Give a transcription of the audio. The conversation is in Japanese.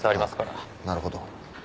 なるほど。